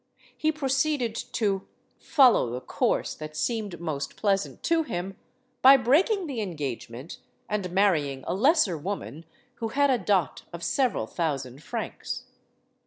He proceeded to "follow the course that seemed most pleasant to him" by breaking the engagement and marrying a lesser woman who had a dot of several thousand francs.